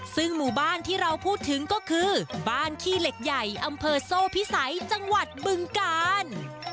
ซึ่งหมู่บ้านที่เราพูดถึงก็คือบ้านขี้เหล็กใหญ่อำเภอโซ่พิสัยจังหวัดบึงกาล